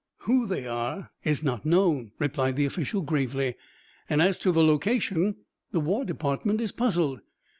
"Who they are is not known," replied the official gravely; "and as to the location, the War Department is puzzled.